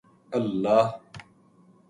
اللہ